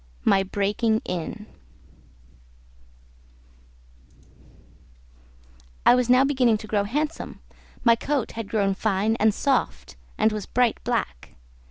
03 My Breaking In I was now beginning to grow handsome; my coat had grown fine and soft, and was bright black.